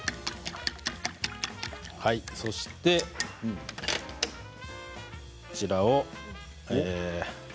そして、こちらを。